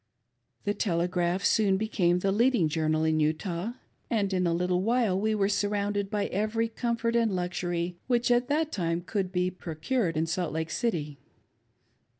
The Telegraph soon became the heading journal in Utah, 486 OUR PROSPECTS BRIGHTEN. and in a little while we were surrounded by every comfort and luxury which at that time could be procured in Salt Lake City.